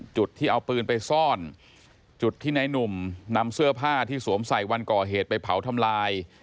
จุดที่เอาปืนไปซ่อนจุดที่นายหนุ่มนำเสื้อผ้าที่สวมใส่วันก่อเหตุไปเผาทำลาย